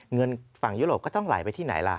เงินฝั่งยุโรปก็ต้องไหลไปที่ไหนล่ะ